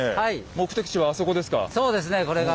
目的地はあそこですか？